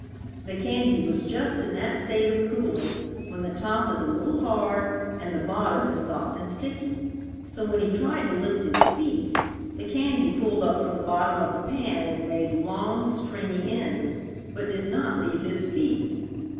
The candy was just in that state of cooling when the top is a little hard and the bottom is soft and sticky. So when he tried to lift his feet, the candy pulled up from the bottom of the pan and made long, stringy ends, but did not leave his feet.